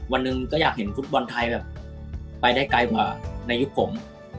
วันหนึ่งก็อยากเห็นฟุตบอลไทยแบบไปได้ไกลกว่าในยุคผม